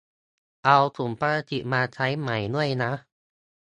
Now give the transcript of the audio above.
เอาถุงพลาสติกมาใช้ใหม่ด้วยนะ